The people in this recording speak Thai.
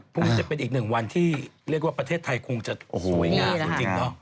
จะเป็นอีกหนึ่งวันที่เรียกว่าประเทศไทยคงจะสวยงามจริงเนาะ